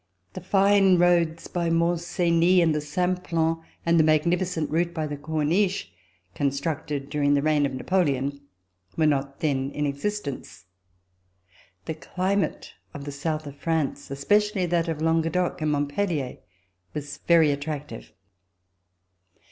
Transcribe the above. The fine roads by Mt. Cenis and the Simplon, and the magnificent route by the Corniche, constructed during the reign of Napoleon, were not then in existence. The climate of the south of France, especially that of Languedoc and Montpellier, was very attractive.